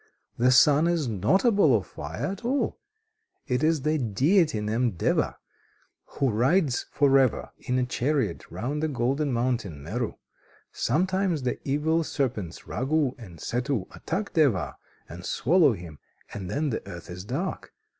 The sun is not a ball of fire at all, it is the Deity named Deva, who rides for ever in a chariot round the golden mountain, Meru. Sometimes the evil serpents Ragu and Ketu attack Deva and swallow him: and then the earth is dark.